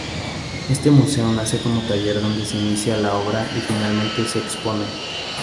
Este museo nace como taller donde se inicia la obra y finalmente se expone.